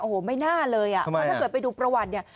โอ้โหไม่น่าเลยอ่ะเพราะถ้าเกิดไปดูประวัติเนี่ย